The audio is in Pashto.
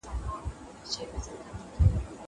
دا پلان له هغه ګټور دی.